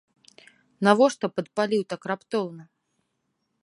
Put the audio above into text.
Навошта падпаліў так раптоўна?